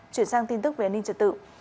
chuyển sang tin tức về an ninh trật tự